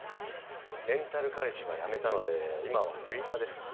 レンタル彼氏は辞めたので今はフリーターです。